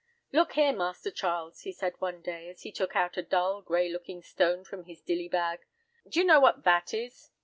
"'Look here, Master Charles!' he said one day, as he took out a dull, grey looking stone from his 'dilly bag,' 'do ye know what that is?